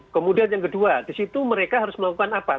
kemudian yang kedua di situ mereka harus melakukan apa